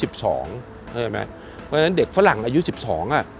เพราะฉะนั้นเด็กฝรั่งอายุ๑๒อ่ะ